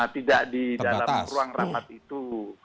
tidak di dalam ruang rapat itu